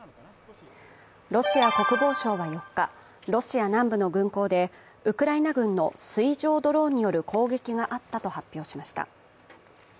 ロシア国防省は４日、ロシア南部の軍港でウクライナ軍の水上ドローンによる攻撃があったと発表しました。